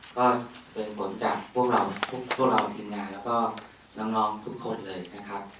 ก็เกิดผลจากพวกเราพวกเราทีมงานแล้วก็น้องทุกคนเลยนะครับ